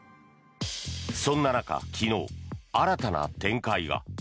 そんな中、昨日新たな展開が。